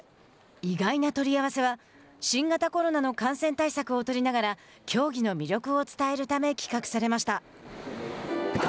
意外な取り合わせは新型コロナの感染対策を取りながら競技の魅力を伝えるため企画されました。